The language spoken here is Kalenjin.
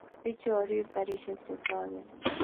Pichu Orib karishek che kwaket